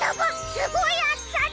すごいあつさだ！